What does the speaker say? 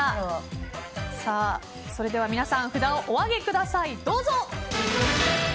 それでは皆さん札をお上げください。